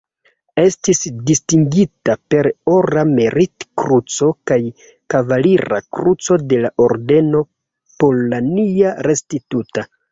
Estis distingita per Ora Merit-Kruco kaj Kavalira Kruco de la Ordeno Polonia Restituta.